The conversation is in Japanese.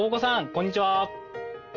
こんにちは。